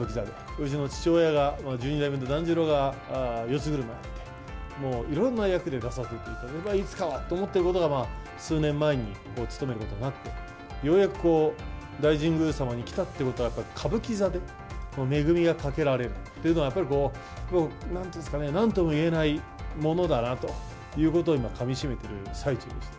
うちの父親が十二代目の團十郎が四ツ車役をやって、もういろんな役で出させていただいて、いつかはと思っていたところが、数年前に勤めることになって、ようやく、大神宮さまに来たってことは、やっぱり歌舞伎座でめ組がかけられるっていうのは、やっぱりこう、なんて言うんですかね、なんともいえないものだなということを、今、かみしめている最中です。